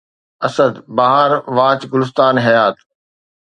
اسد! بهار واچ گلستان حيات